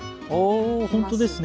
本当ですね。